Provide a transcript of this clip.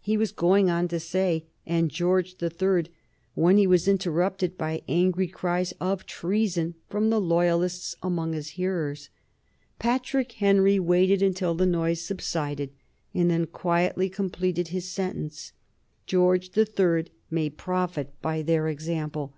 He was going on to say "and George the Third," when he was interrupted by angry cries of "Treason!" from the loyalists among his hearers. Patrick Henry waited until the noise subsided, and then quietly completed his sentence, "George the Third may profit by their example.